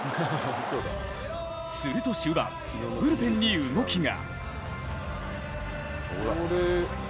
すると終盤、ブルペンに動きが。